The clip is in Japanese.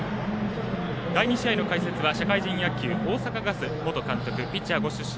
第２試合の解説は社会人野球大阪ガス元監督ピッチャーご出身